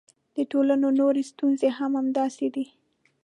د ټولنو نورې ستونزې هم همداسې دي.